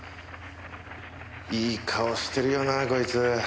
いい顔してるよなこいつ。